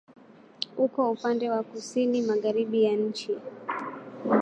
Uko upande wa kusini-magharibi ya nchi.